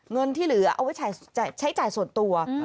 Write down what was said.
เงินที่เหลือเอาไว้ใช้จ่ายส่วนตัว